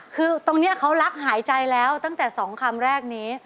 คือตรงนี้เขารักหายใจแล้วตั้งแต่๒คำแรกนี้